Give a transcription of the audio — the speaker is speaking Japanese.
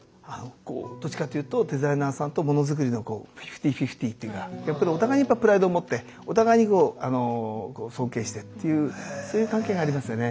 どっちかっていうとデザイナーさんとものづくりのフィフティーフィフティーというかやっぱりお互いにプライドを持ってお互いに尊敬してっていうそういう関係がありますよね。